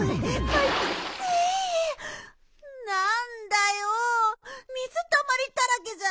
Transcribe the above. なんだよ水たまりだらけじゃん。